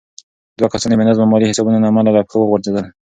دوه کسان د بې نظمه مالي حسابونو له امله له پښو وغورځېدل.